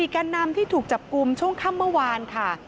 แกนนำที่ถูกจับกลุ่มช่วงค่ำเมื่อวานค่ะ